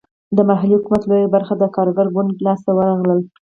د محلي حکومت لویه برخه د کارګر ګوند لاسته ورغله.